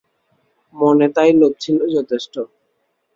মনে তাই লোভ ছিল যথেষ্ট।